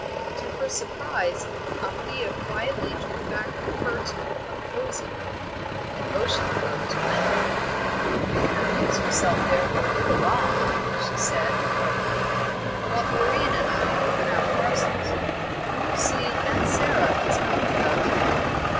To her surprise Althea quietly drew back the curtain of Cosy Nook, and motioned her to enter. "You can amuse yourself there for a little while," she said, brightly, "while Doreen and I open our parcels. You will see Aunt Sara has not forgotten you."